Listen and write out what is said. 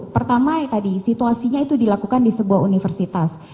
pertama tadi situasinya itu dilakukan di sebuah universitas